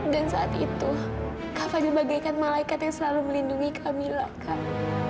dan saat itu kak fadil bagaikan malaikat yang selalu melindungi kamilah kak